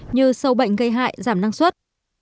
như sâu bệnh gây hại giảm năng suất